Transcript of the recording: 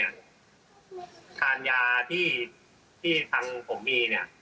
ซึ่งให้ดูด้วยทานยาที่ทางผมมี